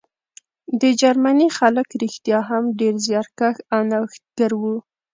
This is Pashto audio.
د جرمني خلک رښتیا هم ډېر زیارکښ او نوښتګر وو